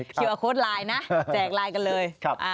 คิวอาคตไลน์นะแจกไลน์กันเลย